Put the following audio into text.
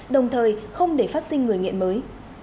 đồng thời không để phát sinh người nghiện mới